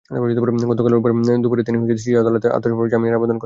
গতকাল রোববার দুপুরে তিনি শিশু আদালতে আত্মসমর্পণ করে জামিনের আবেদন করেন।